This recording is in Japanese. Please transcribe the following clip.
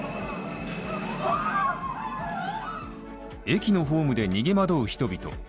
駅のホームで逃げ惑う人々。